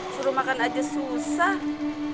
suruh makan aja susah